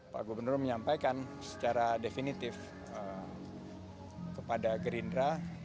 pak gubernur menyampaikan secara definitif kepada gerindra